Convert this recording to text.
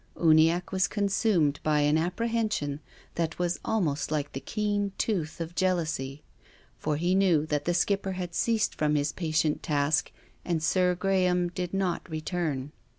Uniacke was con sumed by an apprehension that was almost like the keen tooth of jealousy. For he knew that the Skipper had ceased from his patient task and Sir Graham did not return.